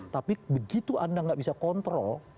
tapi begitu anda nggak bisa kontrol